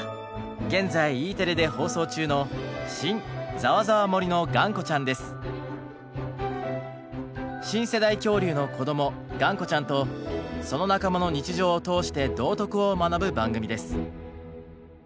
現在Ｅテレで放送中の新世代恐竜のこどもがんこちゃんとその仲間の日常を通して道徳を学ぶ番組です。